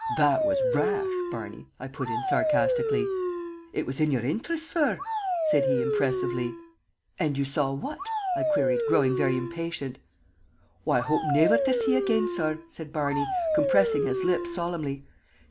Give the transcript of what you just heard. "That was rash, Barney," I put in, sarcastically. "It was in your intherest, sorr," said he, impressively. "And you saw what?" I queried, growing very impatient. "What I hope niver to see again, sorr," said Barney, compressing his lips solemnly.